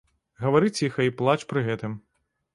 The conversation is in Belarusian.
Гавары ціха і плач пры гэтым.